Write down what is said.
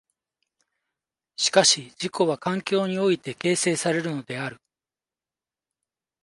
しかし自己は環境において形成されるのである。